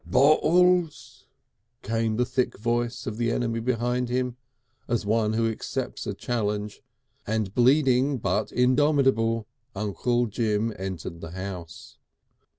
"Bolls!" came the thick voice of the enemy behind him as one who accepts a challenge, and bleeding, but indomitable, Uncle Jim entered the house.